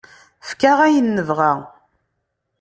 Efk-aɣ ayen nebɣa.